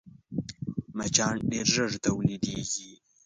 مچان ډېر ژر تولیدېږي